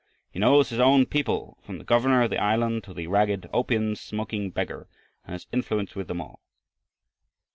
He knows his own people, from the governor of the island to the ragged opium smoking beggar, and has influence with them all."